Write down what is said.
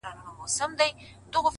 په يوه جـادو دي زمـــوږ زړونه خپل كړي،